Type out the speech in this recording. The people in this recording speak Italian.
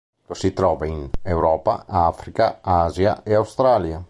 Lo si trova in Europa, Africa, Asia e Australia.